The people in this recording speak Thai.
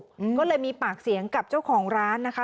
อืมก็เลยมีปากเสียงกับเจ้าของร้านนะคะ